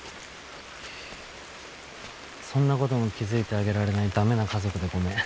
そんなことも気付いてあげられない駄目な家族でごめん。